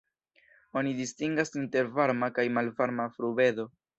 Oni distingas inter varma kaj malvarma frubedo.